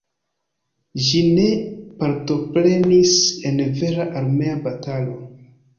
Ĝi ne partoprenis en vera armea batalo.